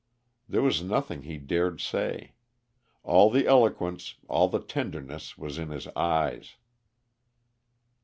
There was nothing he dared say. All the eloquence, all the tenderness, was in his eyes.